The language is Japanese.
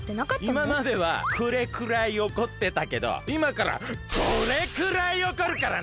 いままではこれくらいおこってたけどいまからこれくらいおこるからな！